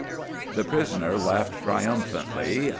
The prisoner laughed triumphantly.